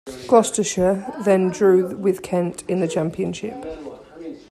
Gloucestershire then drew with Kent in the Championship.